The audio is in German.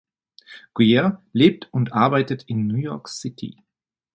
Guyer lebt und arbeitet in New York City.